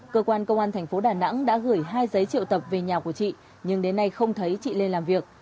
cơ quan công an thành phố đà nẵng đã gửi hai giấy triệu tập về nhà của chị nhưng đến nay không thấy chị lê làm việc